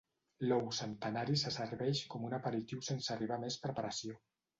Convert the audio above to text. L'ou centenari se serveix com un aperitiu sense arribar a més preparació.